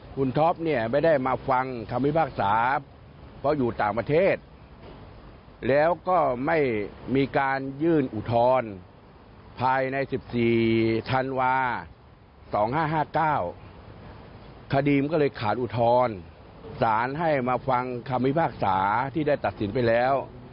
คดีมันก็เลยขาดอุทธรณ์สารให้มาฟังคำพิพากษาที่ได้ตัดสินไปแล้ว